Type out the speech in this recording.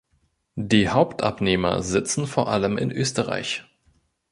Die Hauptabnehmer sitzen vor allem in Österreich.